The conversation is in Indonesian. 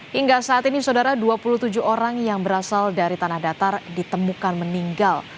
hingga saat ini saudara dua puluh tujuh orang yang berasal dari tanah datar ditemukan meninggal